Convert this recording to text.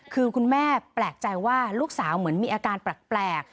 คือคุณแม่แปลกใจว่าลูกสาวเหมือนมีอาการแปลก